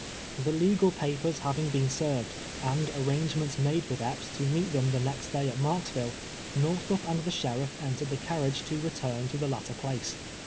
The legal papers having been served, and arrange ments made with Epps to meet them tlie next day at Marksville, Xorthup and the sheriff entered the carriage to return to the latter place.